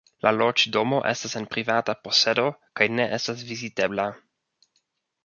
La loĝdomo estas en privata posedo kaj ne estas vizitebla.